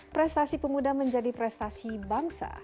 prestasi pemuda menjadi prestasi bangsa